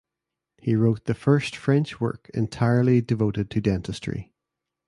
He wrote the first French work entirely devoted to dentistry.